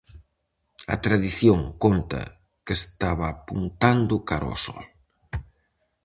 A tradición conta que estaba apuntando cara ó sol.